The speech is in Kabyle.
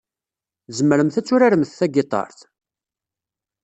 Tzemremt ad turaremt tagitaṛt?